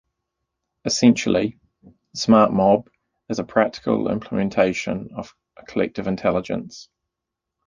Essentially, the smart mob is a practical implementation of collective intelligence.